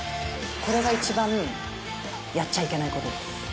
これが一番やっちゃいけないこと。